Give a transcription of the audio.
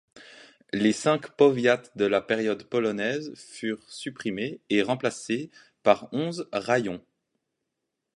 Les cinq powiats de la période polonaise furent supprimés et remplacés par onze raïons.